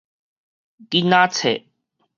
囡仔冊